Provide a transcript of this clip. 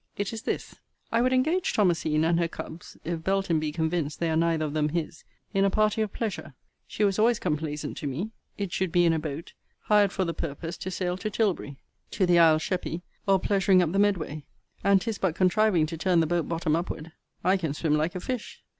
It is this: I would engage Thomasine and her cubs (if Belton be convinced they are neither of them his) in a party of pleasure. She was always complaisant to me. It should be in a boat, hired for the purpose, to sail to Tilbury, to the Isle Shepey, or pleasuring up the Medway; and 'tis but contriving to turn the boat bottom upward. I can swim like a fish.